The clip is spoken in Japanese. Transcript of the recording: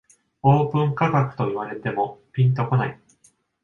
オープン価格と言われてもピンとこない